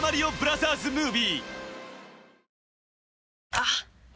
あっ！